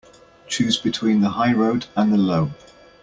Choose between the high road and the low.